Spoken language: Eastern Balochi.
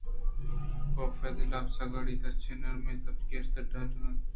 کاف ءِ دل اپس گاڑی تاچءِ نرمیں تب ءَ گیشتر ڈڈکُتگ اَت